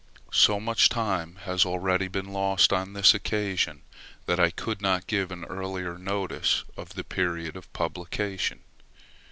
So much time has already been lost on this occasion that I could not give an earlier notice of the period of publication.